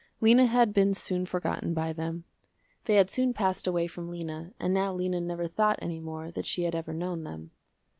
Lena had been soon forgotten by them. They had soon passed away from Lena and now Lena never thought any more that she had ever known them.